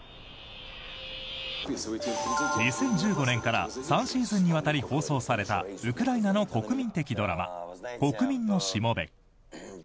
２０１５年から３シーズンにわたり放送されたウクライナの国民的ドラマ「国民のしもべ」。